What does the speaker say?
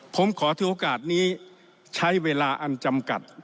ผมขอถือโอกาสนี้ใช้เวลาอันจำกัด